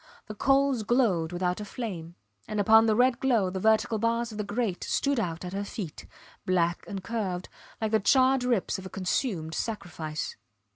The coals glowed without a flame; and upon the red glow the vertical bars of the grate stood out at her feet, black and curved, like the charred ribs of a consumed sacrifice.